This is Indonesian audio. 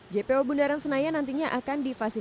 jpo bundaran senayan nantinya akan difasilitasi